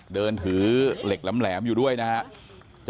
เดินถือเหล็กแหลมแหลมอยู่ด้วยนะคะ